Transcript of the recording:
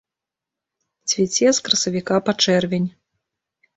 Цвіце з красавіка па чэрвень.